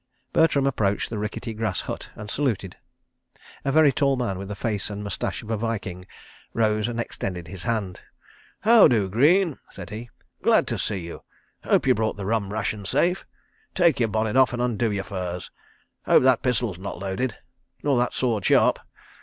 ... Bertram approached the rickety grass hut and saluted. A very tall man, with the face and moustache of a Viking, rose and extended his hand. "How do, Greene?" said he. "Glad to see you. ... Hope you brought the rum ration safe. ... Take your bonnet off and undo your furs. ... Hope that pistol's not loaded. ... Nor that sword sharp.